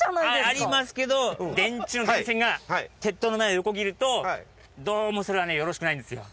ありますけど電柱の電線が鉄塔の前を横切るとどうもそれはねよろしくないんですよ。